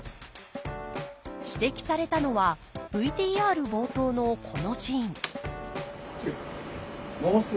指摘されたのはＶＴＲ冒頭のこのシーン